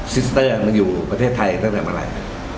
ซิสเตอร์มันอยู่ประเทศไทยตั้งแต่เมื่อไหร่